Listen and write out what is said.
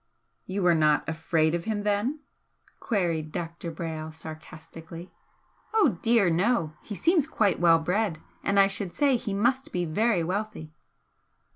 "You were not afraid of him, then?" queried Dr. Brayle, sarcastically. "Oh dear no! He seems quite well bred, and I should say he must be very wealthy."